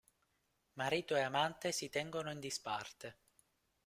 Marito e amante si tengono in disparte.